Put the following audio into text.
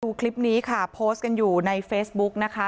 คลิปนี้ค่ะโพสต์กันอยู่ในเฟซบุ๊กนะคะ